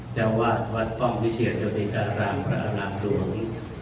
จังหวัดวัดป้องพิเศษโจริตารามพระรามหลวง